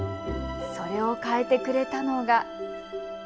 それを変えてくれたのが。